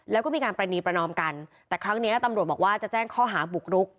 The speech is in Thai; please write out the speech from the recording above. แล้วก็มีการประณีประนอมกันแต่ครั้งนี้ตำรวจบอกว่าจะแจ้งข้อหาบุกรุก